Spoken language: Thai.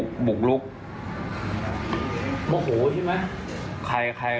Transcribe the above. ใครก็ไม่ทราบเหมือนกัน